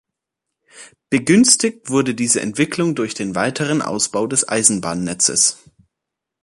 Begünstigt wurde diese Entwicklung durch den weiteren Ausbau des Eisenbahnnetzes.